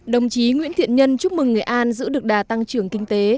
đồng chí nguyễn thiện nhân chúc mừng nghệ an giữ được đà tăng trưởng kinh tế